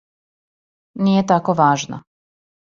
Није тако важна.